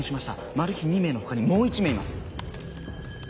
マルヒ２名の他にもう１名います。